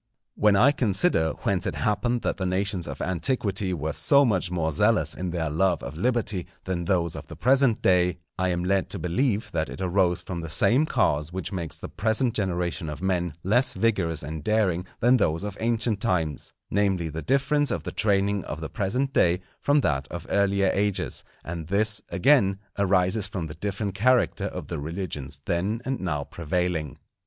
When I consider whence it happened that the nations of antiquity were so much more zealous in their love of liberty than those of the present day, I am led to believe that it arose from the same cause which makes the present generation of men less vigorous and daring than those of ancient times, namely the difference of the training of the present day from that of earlier ages; and this, again, arises from the different character of the religions then and now prevailing.